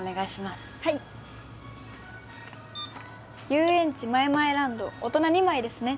遊園地マエマエランド大人２枚ですね。